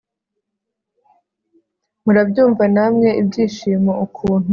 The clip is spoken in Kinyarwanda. murabyumva namwe ibyishimo ukuntu